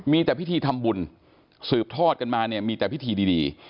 มีแต่พิธีทำบุญสืบทอดกันมาเนี่ยมีแต่พิธีดี